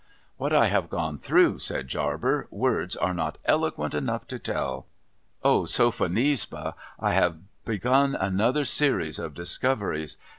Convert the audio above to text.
' What I have gone through,' said Jarber, ' words are not eloquent enough to tell. O Sophonisba, I have begun another series of discoveries!